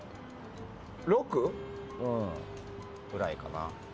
６？くらいかな。